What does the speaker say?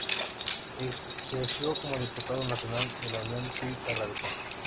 Ejerció como diputado nacional de la Unión Cívica Radical.